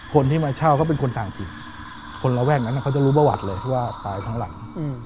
คนที่มาเช่าเขาเป็นคนต่างถิ่นคนระแวกนั้นเขาจะรู้ประวัติเลยว่าตายทั้งหลัง